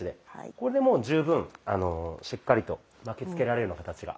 これでもう十分しっかりと巻きつけられるような形が。